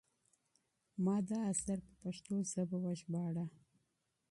ما دا اثر په پښتو ژبه وژباړه.